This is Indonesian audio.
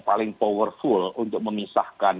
paling powerful untuk memisahkan